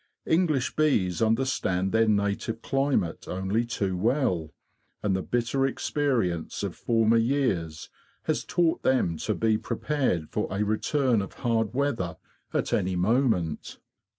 English bees understand their native climate only too well, and the bitter experience of former years has taught them to be prepared for a return of hard weather at any moment.